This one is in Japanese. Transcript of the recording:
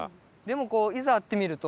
でもこう。